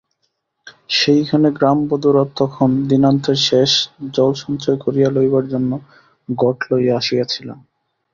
সেইখানে গ্রামবধূরা তখন দিনান্তের শেষ জলসঞ্চয় করিয়া লইবার জন্য ঘট লইয়া আসিয়াছিল।